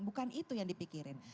bukan itu yang dipikirin